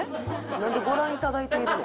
なんでご覧いただいているの？